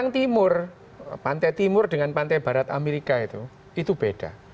yang timur pantai timur dengan pantai barat amerika itu itu beda